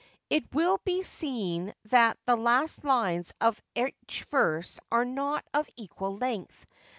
It will be seen that the last lines of each verse are not of equal length.